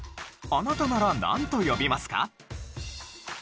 あなたならなんと呼びますか？